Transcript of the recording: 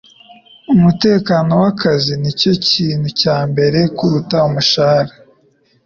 Umutekano wakazi nicyo kintu cyambere kuruta umushahara.